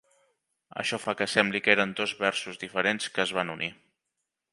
Això fa que sembli que eren dos versos diferents que es van unir.